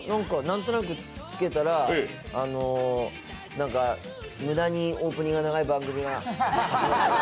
なんとなくつけたら無駄にオープニングが長い番組が。